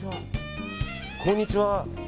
こんにちは。